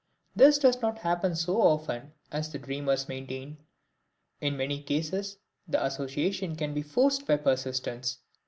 This does not happen so often as the dreamers maintain; in many cases the association can be forced by persistence.